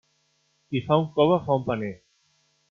Qui fa un cove, fa un paner.